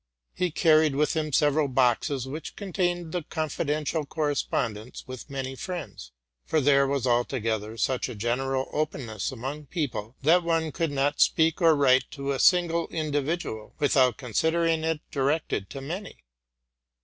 He carried with him several boxes, which contained the confidential correspondence with many friends; for there was altogether such a general openness among people, that one could not speak or write to a single individual, without considering it directed to many.